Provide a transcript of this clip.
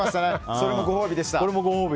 それもご褒美でした。